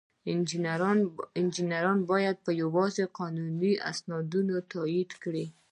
انجینران باید یوازې قانوني سندونه تایید کړي.